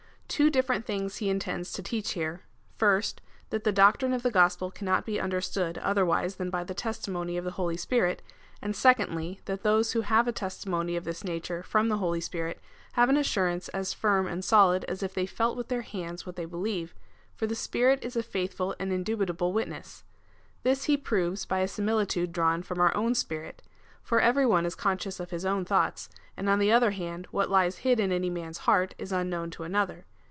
Two different things he intends to teach here : first, that the doctrine of the Gospel cannot be understood othenvise than by the testimony of the Holy Spirit ; and secondly, that those who have a testi mony of this nature from the Holy Spirit, have an assurance as firm and solid, as if they felt with their hands what they believe, for the Spirit is a faithful and indubitable witness. This he proves by a similitude drawn from our own spirit : for every one is conscious of his own thoughts, and on the other hand what lies hid in any man's heart, is unknown to another.